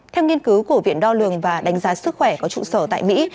theo nghiên cứu của viện đo lường và đánh giá sức khỏe có trụ sở tại mỹ